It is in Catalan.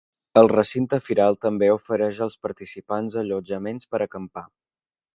El recinte firal també ofereix als participants allotjaments per acampar.